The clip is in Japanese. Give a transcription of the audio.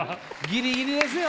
ギリギリですね！